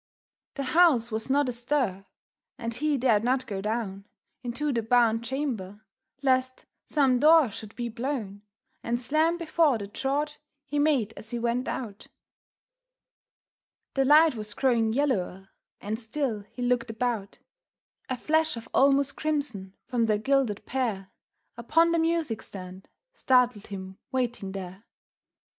The house was not astir, and he dared not go down Into the barn chamber, lest some door should be blown And slam before the draught he made as he went out. The light was growing yellower, and still he looked about. A flash of almost crimson from the gilded pear Upon the music stand, startled him waiting there.